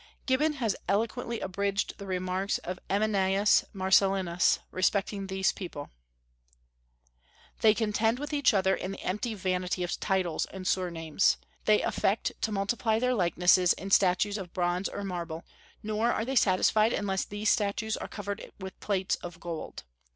Gibbon has eloquently abridged the remarks of Ammianus Marcellinus respecting these people: "They contend with each other in the empty vanity of titles and surnames. They affect to multiply their likenesses in statues of bronze or marble; nor are they satisfied unless these statues are covered with plates of gold.